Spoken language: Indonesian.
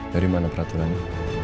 dari mana peraturan nya